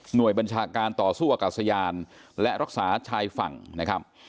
โดยบัญชาการต่อสู้อากาศยานและรักษาชายฝั่งนะครับ